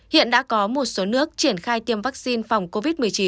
hiện đã có một số nước triển khai tiêm vaccine phòng covid một mươi chín